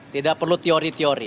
tidak perlu teori teori